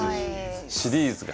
シリーズが。